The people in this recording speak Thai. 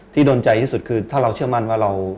โดนใจที่สุดคือถ้าเราเชื่อมั่นว่าเรา